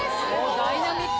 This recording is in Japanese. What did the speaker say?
ダイナミック！